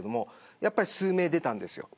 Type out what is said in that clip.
やっぱり数名出たんですよ。